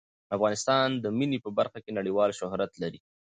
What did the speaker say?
افغانستان د منی په برخه کې نړیوال شهرت لري.